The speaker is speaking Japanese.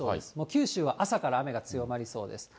九州は朝から雨が強まりそうです。